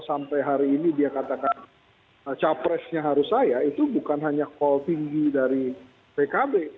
sampai hari ini dia katakan capresnya harus saya itu bukan hanya call tinggi dari pkb